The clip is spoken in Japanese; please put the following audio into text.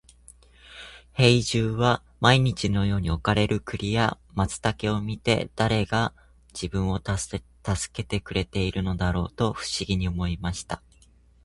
兵十は毎日のように置かれる栗や松茸を見て、誰が自分を助けてくれているのだろうと不思議に思いました。